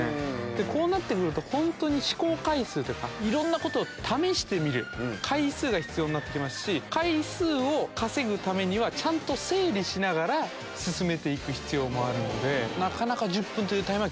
こうなって来るとホントに試行回数というかいろんなことを試してみる回数が必要になって来ますし回数を稼ぐためにはちゃんと整理しながら進めて行く必要もあるので。